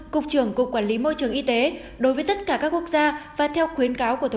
cục trưởng cục quản lý môi trường y tế đối với tất cả các quốc gia và theo khuyến cáo của thủ